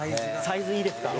「サイズいいですか？